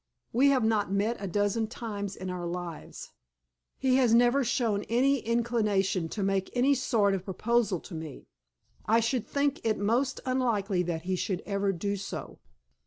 We have not met a dozen times in our lives. He has never shown any inclination to make any sort of proposal to me; I should think it most unlikely that he should ever do so.